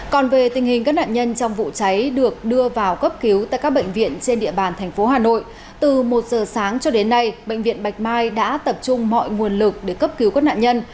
còn về tình hình các nạn nhân trong vụ cháy được đưa vào cấp cứu tại các bệnh viện trên địa bàn thành phố hà nội từ một giờ sáng cho đến nay bệnh viện bạch mai đã tập trung mọi nguồn lực để cấp cứu các nạn nhân